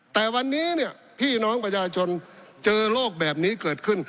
แต่วันนี้เนี่ยพี่น้องประชาชนเจอโรคแบบนี้เกิดขึ้น